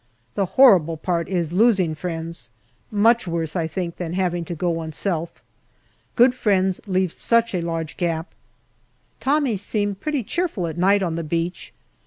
The horrible part is losing friends ; much worse, I think, than having to go oneself. Good friends leave such a large gap. Tommies seem pretty cheerful at night on the beach.